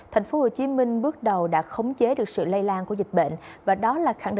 thành phố hồ chí minh bước đầu đã khống chế được sự lây lan của dịch bệnh